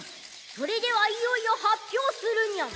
それではいよいよ発表するニャン。